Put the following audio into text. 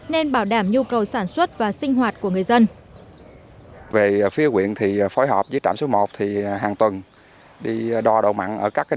nên bảo đảm nhu cầu sản xuất và sinh hoạt của người dân